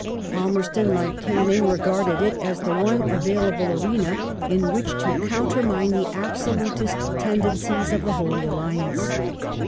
Palmerston, like Canning, regarded it as the one available arena in which to countermine the absolutist tenden cies of the Holy Alliance.